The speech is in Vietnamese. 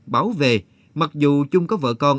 bảo vệ mặc dù chung có vợ con